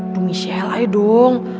duh michelle aja dong